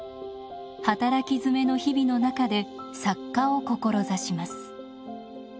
働きづめの日々の中で作家を志します。